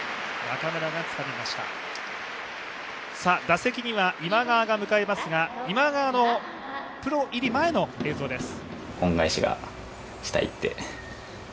打席には今川が向かいますが、今川のプロ入り前の映像です。